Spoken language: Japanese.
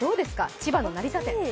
千葉の成田店。